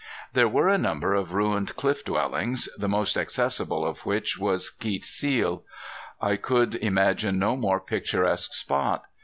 There were a number of ruined cliff dwellings, the most accessible of which was Keet Seel. I could imagine no more picturesque spot.